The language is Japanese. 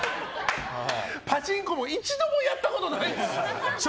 パチンコも一度もやったことないんです。